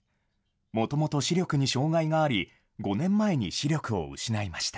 もともと視力に障害があり、５年前に視力を失いました。